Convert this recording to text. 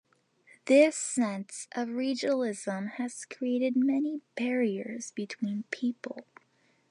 This sense of regionalism has created many barriers between people.